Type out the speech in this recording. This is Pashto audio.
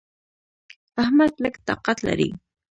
احمد لږ طاقت لري.